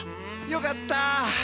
よかった。